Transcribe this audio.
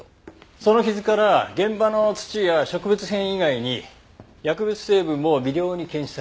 その傷から現場の土や植物片以外に薬物成分も微量に検出されました。